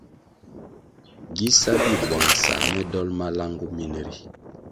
Gi sá bi buangsa me dol malangu min ri.